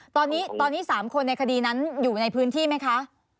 ตอนนี้๓คนในคดีนั้นอยู่ในพื้นที่ไหมคะ